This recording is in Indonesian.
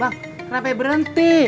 bang kenapa berhenti